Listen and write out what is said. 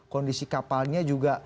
kondisi kapalnya juga